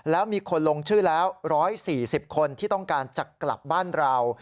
แล้วมีคนลงชื่อแล้ว๑๔๐คนที่ต้องการจะกลับบ้านเรา